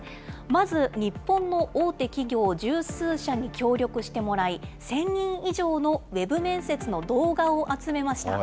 まず日本の大手企業十数社に協力してもらい、１０００人以上のウェブ面接の動画を集めました。